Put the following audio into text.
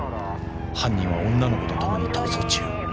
［犯人は女の子と共に逃走中。